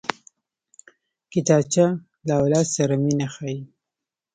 کتابچه له اولاد سره مینه ښيي